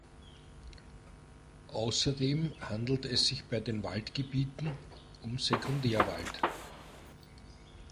Außerdem handelt es sich bei den Waldgebieten um Sekundärwald.